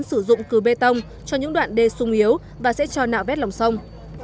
sử dụng cứ bê tông cho những đoạn đê sung yếu và sẽ cho nạo vét lòng sông